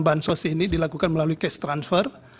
bahan sosial ini dilakukan melalui case transfer